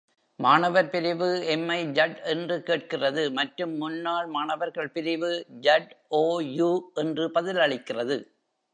மாணவர் பிரிவு "எம்-ஐ-ஜட்" என்று கேட்கிறது மற்றும் முன்னாள் மாணவர்கள் பிரிவு "ஜட்-ஓ-யூ" என்று பதிலளிக்கிறது.